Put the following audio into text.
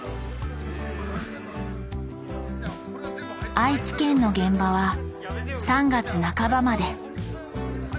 愛知県の現場は３月半ばまで。